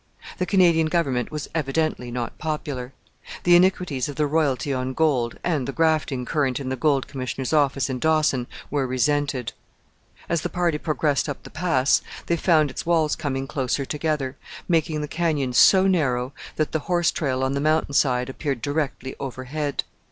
The Canadian Government was evidently not popular. The iniquities of the royalty on gold, and the grafting current in the Gold Commissioner's office in Dawson were resented. As the party progressed up the Pass, they found its walls coming closer together, making the canyon so narrow that the horse trail on the mountain side appeared directly overhead.